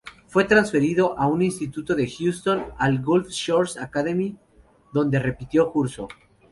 Fue transferido a un instituto de Houston, la Gulf Shores Academy, donde repitió curso.